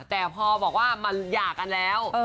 แต่พอบอกว่ามาหย่ากันแล้ว